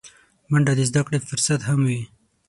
منډه د زدهکړې فرصت هم وي